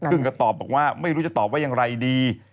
ซึ่งก็ตอบบอกว่าไม่รู้จะตอบว่าอย่างไรดี